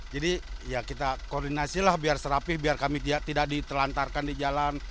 jadi ya kita koordinasilah biar serapi biar kami tidak ditelantarkan di jalan